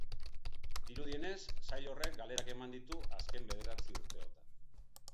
Dirudienez, sail horrek galerak eman ditu azken bederatzi urteotan.